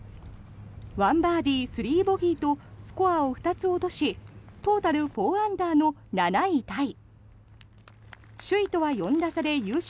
１バーディー、３ボギーとスコアを２つ落としトータル４アンダーの７位タイ。